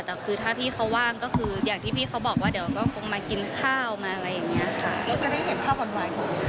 แต่คือถ้าพี่เขาว่างก็คืออย่างที่พี่เขาบอกว่าเดี๋ยวก็คงมากินข้าวมาอะไรอย่างนี้ค่ะ